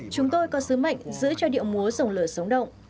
chúng tôi có sứ mệnh giữ cho điệu múa dòng lửa sống động